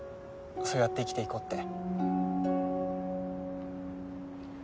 そうやって生きて行こうって。